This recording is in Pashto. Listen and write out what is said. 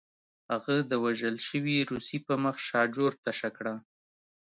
هغه د وژل شوي روسي په مخ شاجور تشه کړه